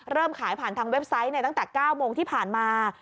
ขายผ่านทางเว็บไซต์ตั้งแต่๙โมงที่ผ่านมา